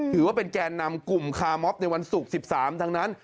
ถือว่าเป็นแก่นำกลุ่มคาร์มอฟในวันศุกร์๑๓ทั้งนั้น